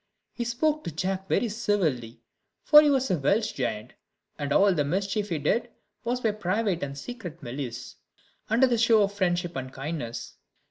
He spoke to Jack very civilly, for he was a Welsh giant, and all the mischief he did was by private and secret malice, under the show of friendship and kindness.